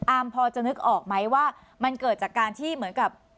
พอจะนึกออกไหมว่ามันเกิดจากการที่เหมือนกับ